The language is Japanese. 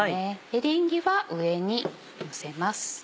エリンギは上にのせます。